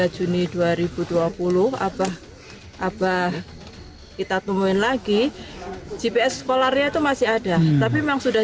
juni dua ribu dua puluh abah abah kita temuin lagi gps sekolahnya itu masih ada tapi memang sudah